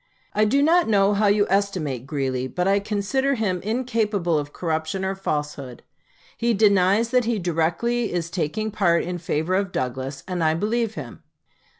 I do not know how you estimate Greeley, but I consider him incapable of corruption or falsehood. He denies that he directly is taking part in favor of Douglas, and I believe him.